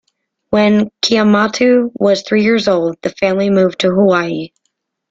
When Kemoeatu was three years old, the family moved to Hawaii.